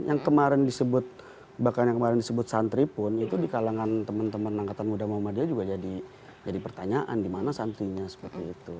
yang kemarin disebut bahkan yang kemarin disebut santri pun itu di kalangan teman teman angkatan muda muhammadiyah juga jadi pertanyaan di mana santrinya seperti itu